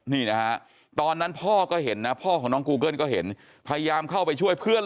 นี่นะฮะตอนนั้นพ่อก็เห็นนะพ่อของน้องกูเกิ้ลก็เห็นพยายามเข้าไปช่วยเพื่อน